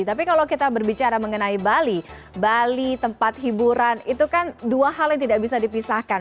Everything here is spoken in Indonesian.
tapi kalau kita berbicara mengenai bali bali tempat hiburan itu kan dua hal yang tidak bisa dipisahkan